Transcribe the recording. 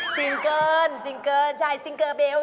สิงเกินใช่ซิงเกอร์เบล